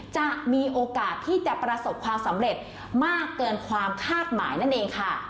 จะมีโอกาสที่จะประสบความสำเร็จมากเกินความคาดหมายนั่นเองค่ะ